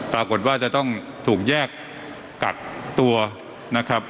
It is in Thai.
ปรากฏว่าจะต้องถูกแยกกัดตัวนะครับ